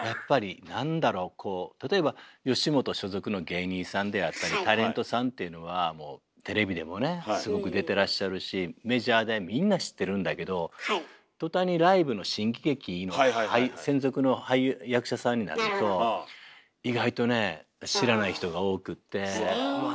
こう例えば吉本所属の芸人さんであったりタレントさんっていうのはもうテレビでもねすごく出てらっしゃるしメジャーでみんな知ってるんだけど途端にライブの新喜劇専属の俳優役者さんになると意外とね知らない人が多くってうわ